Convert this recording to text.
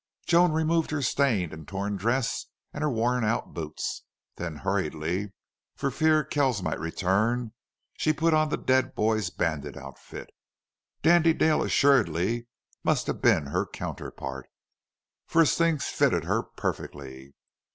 Joan removed her stained and torn dress and her worn out boots; then hurriedly, for fear Kells might return, she put on the dead boy bandit's outfit. Dandy Dale assuredly must have been her counterpart, for his things fitted her perfectly.